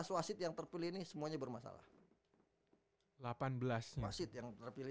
delapan belas wasit yang terpilih ini